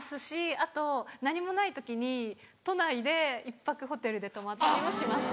あと何もない時に都内で１泊ホテルで泊まったりもします。